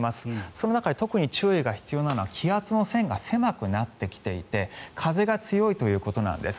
その中で特に注意が必要なのが気圧の線が狭くなっていて風が強いということなんです。